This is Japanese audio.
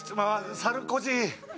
サルコジ。